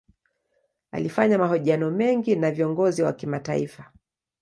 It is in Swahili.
Alifanya mahojiano mengi na viongozi wa kimataifa.